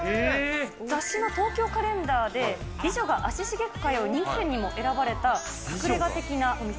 雑誌の東京カレンダーで、美女が足しげく通う人気店にも選ばれた、隠れが的なお店。